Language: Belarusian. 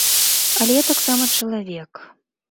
Але я таксама чалавек.